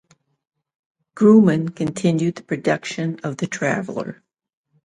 Grumman continued production of the Traveler.